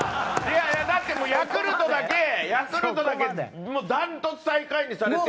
だって、もう、ヤクルトだけヤクルトだけ断トツ最下位にされて。